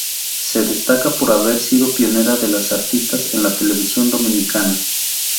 Se destaca por haber sido pionera de las artistas en la televisión dominicana.